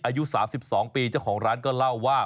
อายุ๓๒ปีเจ้าของร้านก็เล่าว่า